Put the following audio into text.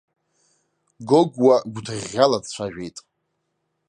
Гогәуа гәҭыӷьӷьала дцәажәеит.